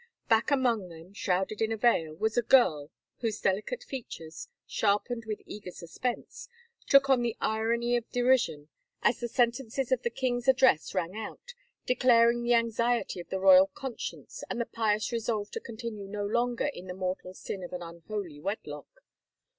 Back among them, shrouded in a veil, was a girl whose delicate features, sharpened with eager suspense, took on the irony of derision as the sentences of the king's address rang out, declaring the anxiety of the royal conscience and the pious resolve to continue no longer in the mortal sin of an unholy wedlock.